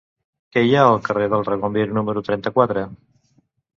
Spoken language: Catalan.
Què hi ha al carrer del Regomir número trenta-quatre?